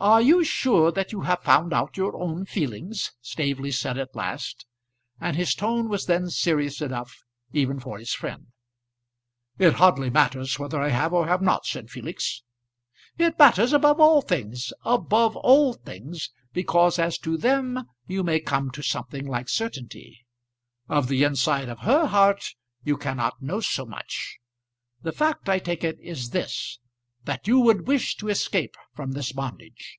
"Are you sure that you have found out your own feelings?" Staveley said at last; and his tone was then serious enough even for his friend. "It hardly matters whether I have or have not," said Felix. "It matters above all things; above all things, because as to them you may come to something like certainty. Of the inside of her heart you cannot know so much. The fact I take it is this that you would wish to escape from this bondage."